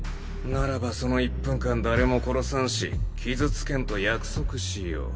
ならばその１分間誰も殺さんし傷つけんと約束しよう。